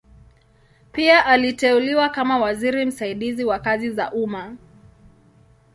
Pia aliteuliwa kama waziri msaidizi wa kazi za umma.